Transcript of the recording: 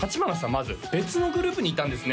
まず別のグループにいたんですね？